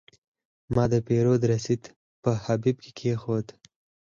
ما د پیرود رسید په جیب کې کېښود.